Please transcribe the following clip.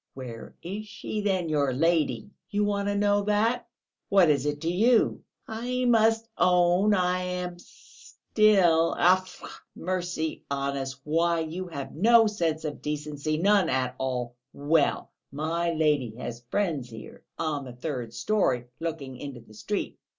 "Where is she, then your lady?" "You want to know that? What is it to you?" "I must own, I am still...." "Tfoo! Mercy on us! Why, you have no sense of decency, none at all. Well, my lady has friends here, on the third storey looking into the street.